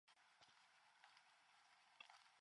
They went in and out by a separate door.